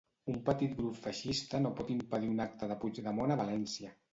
Un petit grup feixista no pot impedir un acte de Puigdemont a València.